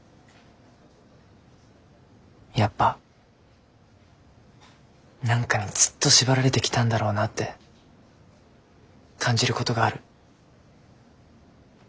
やっぱ何かにずっと縛られてきたんだろうなって感じるごどがある。